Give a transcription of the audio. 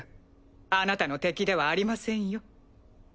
あなたの敵ではありませんよ。